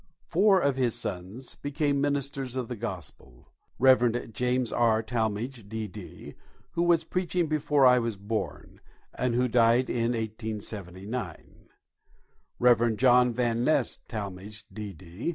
Four of his sons became ministers of the Gospel: Reverend James R. Talmage, D.D., who was preaching before I was born, and who died in 1879; Reverend John Van Nest Talmage, D.D.